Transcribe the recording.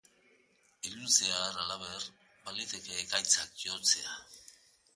Iluntzean, halaber, baliteke ekaitzak jotzea.